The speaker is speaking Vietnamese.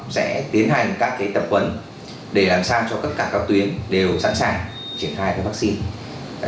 sẽ tiến hành các tập huấn để làm sao cho tất cả các tuyến đều sẵn sàng triển khai vaccine